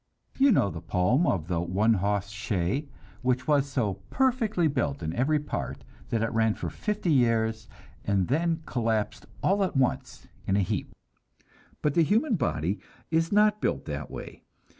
You know the poem of the "One Hoss Shay," which was so perfectly built in every part that it ran for fifty years and then collapsed all at once in a heap. But the human body is not built that way.